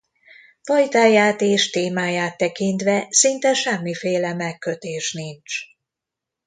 Fajtáját és témáját tekintve szinte semmiféle megkötés nincs.